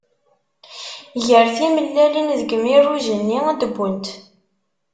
Ger timellalin deg mirruj-nni ad d-wwent.